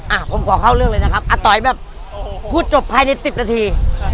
อ่ะผมขอเข้าเรื่องเลยนะครับอาต๋อยแบบพูดจบภายในสิบนาที